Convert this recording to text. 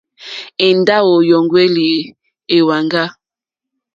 Èndáwò yǔŋwɛ̀lɛ̀ èwàŋgá.